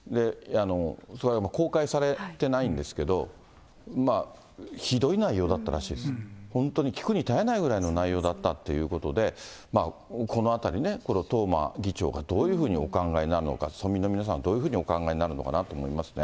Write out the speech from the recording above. それは公開されてないんですけど、ひどい内容だったらしいですよ、本当に聞くに堪えないぐらいの内容だったっていうことで、このあたりね、東間議長がどういうふうにお考えになるのか、村民の皆さん、どういうふうにお考えになるのかというふうに思いますね。